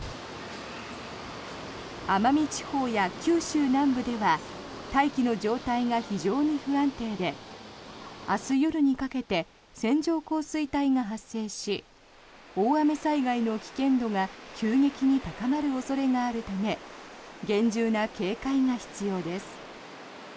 奄美地方や九州南部では大気の状態が非常に不安定で明日夜にかけて線状降水帯が発生し大雨災害の危険度が急激に高まる恐れがあるため厳重な警戒が必要です。